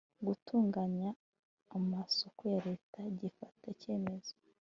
gutunganya amasoko ya leta gifata icyemezo